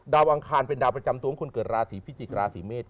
ดาวอังคารเป็นดาวประจำตวงคนเกิดลาศีพิกษิกราศีเมศ